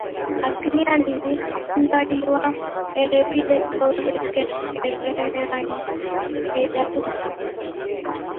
Azkenean ibilgailua errepideko ezker erreian geratu da.